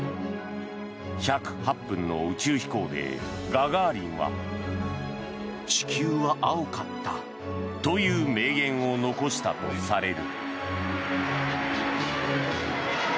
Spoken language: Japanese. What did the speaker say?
１０８分の宇宙飛行でガガーリンは。という名言を残したとされる。